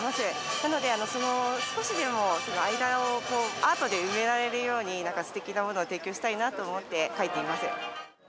なので、少しでも間をアートで埋められるように、すてきなものを提供したいなと思って、描いています。